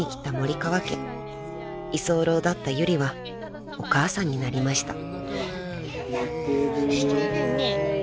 ［居候だったユリはお母さんになりました］